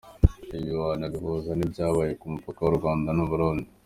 Ibi wanabihuza n’ibyabaye ku mupaka w’u Rwanda n’u Burundi.